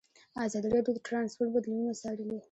ازادي راډیو د ترانسپورټ بدلونونه څارلي.